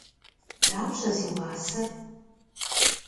Dapşe zi vuaser?